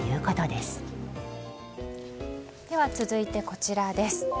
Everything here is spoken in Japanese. では続いて、こちらです。